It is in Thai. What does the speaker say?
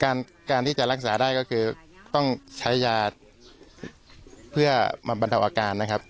การการที่จะรักษาได้ก็คือต้องใช้ยาเพื่อมาบรรเทาอาการนะครับ